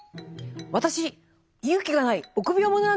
私勇気がない臆病者なんです。